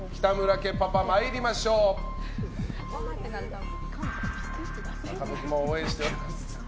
家族も応援しております。